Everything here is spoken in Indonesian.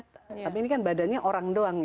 tapi ini kan badannya orang doang